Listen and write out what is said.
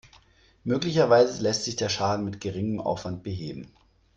Möglicherweise lässt sich der Schaden mit geringem Aufwand beheben.